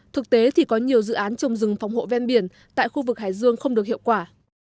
thực tế thì có nhiều dự án trồng rừng phòng hộ ven biển tại khu vực hải dương không được hiệu quả